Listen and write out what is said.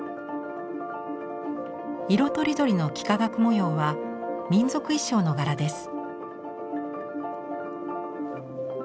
色とりどりの幾何学模様は民族衣装の柄です。